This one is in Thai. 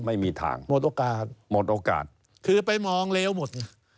ไม่มีทางหมดโอกาสคือไปมองเลวหมด